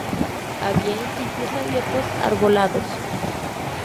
Habita en sitios abiertos arbolados.